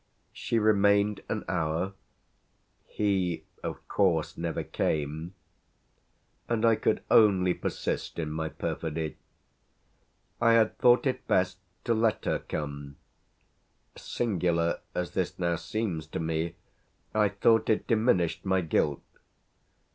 She remained an hour; he of course never came; and I could only persist in my perfidy. I had thought it best to let her come; singular as this now seems to me I thought it diminished my guilt.